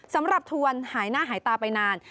สำหรับทวนหายหน้าหายตาไปนาน